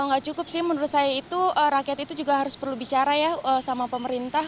nggak cukup sih menurut saya itu rakyat itu juga harus perlu bicara ya sama pemerintah